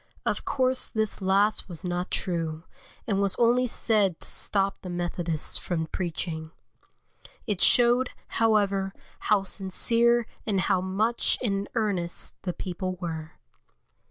Of course this last was not true, and was only said to stop the Methodists from preaching. It showed, however, how sincere and how much in earnest the people were.